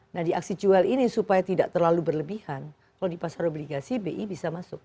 nah di aksi jual ini supaya tidak terlalu berlebihan kalau di pasar obligasi bi bisa masuk